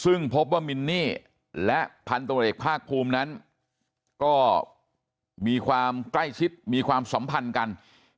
ซึ่งพบว่ามินนี่และพันตรวจเอกภาคภูมินั้นก็มีความใกล้ชิดมีความสัมพันธ์กัน